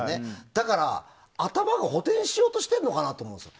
だから、頭が補てんしようとしてるのかなと思うんですよ。